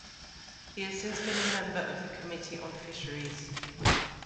He has since been a member of the Committee on Fisheries.